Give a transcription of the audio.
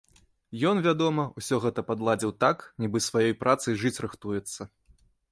Ён, вядома, усё гэта падладзіў так, нібы сваёй працай жыць рыхтуецца.